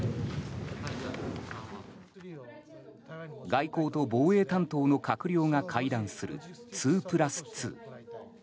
外交と防衛担当の閣僚が会談する２プラス２。